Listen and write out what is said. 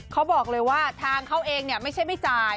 เขาบอกเลยว่าทางเขาเองไม่ใช่ไม่จ่าย